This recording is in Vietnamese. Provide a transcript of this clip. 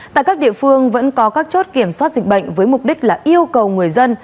tại các địa phương vẫn có các chốt kiểm soát dịch bệnh với mục đích là yêu cầu người dân